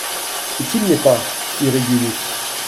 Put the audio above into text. Et qui ne l'est pas ! fit Régulus.